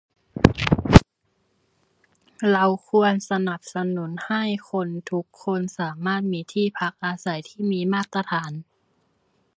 เราควรสนับสนุนให้คนทุกคนสามารถมีที่พักอาศัยที่มีมาตรฐาน